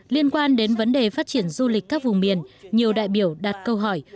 liên quan đến vấn đề phát triển du lịch các vùng miền nhiều đại biểu đặt câu hỏi